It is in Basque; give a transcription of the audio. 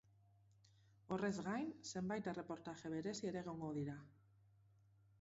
Horrez gain, zenbait erreportaje berezi ere egongo dira.